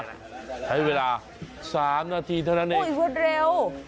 ใช้เวลา๓นาทีเท่านั้นเองรวดเร็ว